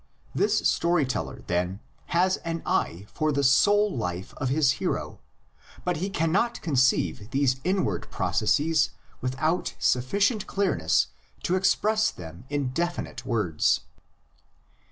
This story teller, then, has an eye for the soul life of his hero, but he cannot conceive these inward processes with sufficient clearness to express them in definite words.